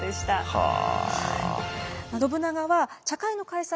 はあ。